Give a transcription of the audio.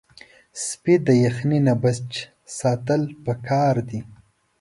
سپي د یخنۍ نه بچ ساتل پکار دي.